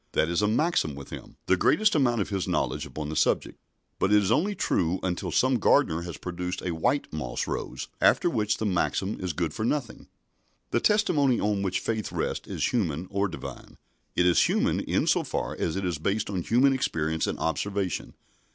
That is a maxim with him the greatest amount of his knowledge upon the subject. But it is only true until some gardener has produced a white moss rose, after which the maxim is good for nothing." The testimony on which faith rests is human or Divine. It is human in so far as it is based on human experience and observation.